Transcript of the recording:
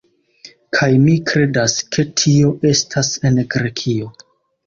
Kaj mi kredas, ke tio estas en Grekio